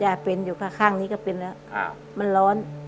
เป็นอยู่ค่ะข้างนี้ก็เป็นแล้วมันร้อน